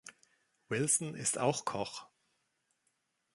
Wilson ist auch Koch.